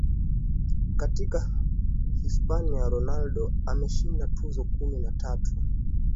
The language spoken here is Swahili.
Katika Hispania Ronaldo ameshinda tuzo kumi na tatu